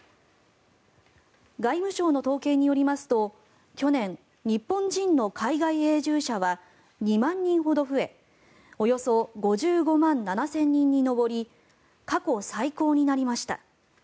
外務省の統計によりますと去年、日本人の海外永住者は２万人ほど増えおよそ５５万７０００人に上り過去最高になりました。